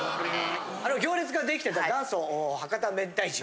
あれは行列が出来てた元祖博多めんたい重。